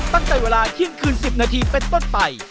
ตั้งแต่เวลาเที่ยงคืน๑๐นาทีเป็นต้นไป